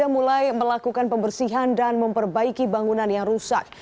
mulai melakukan pembersihan dan memperbaiki bangunan yang rusak